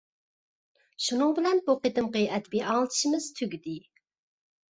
شۇنىڭ بىلەن بۇ قېتىمقى ئەدەبىي ئاڭلىتىشىمىز تۈگىدى.